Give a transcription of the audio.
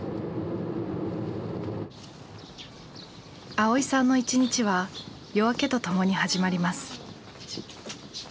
蒼依さんの一日は夜明けとともに始まります。